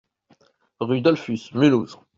Rue Dollfus, Mulhouse